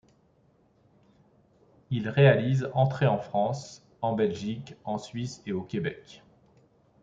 Il réalise entrées en France, en Belgique, en Suisse et au Québec.